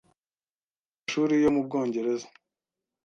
mu mashuri yo mu Bwongereza,